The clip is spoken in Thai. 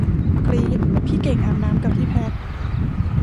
กรี๊ด พี่เก่งอาบน้ำกับพี่แพท